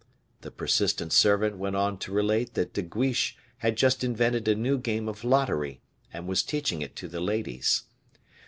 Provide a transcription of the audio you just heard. The persistent servant went on to relate that De Guiche had just invented a new game of lottery, and was teaching it to the ladies.